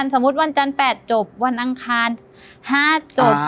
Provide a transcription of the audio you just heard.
วันจันทร์๘จบวันอังคาร๕จบ